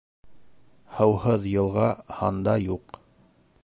Һыуһыҙ йылға һанда юҡ.